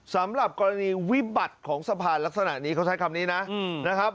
สำหรับกรณีวิบัติของสะพานลักษณะนี้เขาใช้คำนี้นะนะครับ